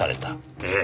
ええ。